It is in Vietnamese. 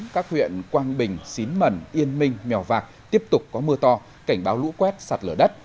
các huyện quang bình xín mần yên minh mèo vạc tiếp tục có mưa to cảnh báo lũ quét sạt lở đất